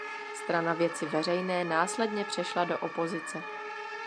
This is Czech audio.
Strana Věci veřejné následně přešla do opozice.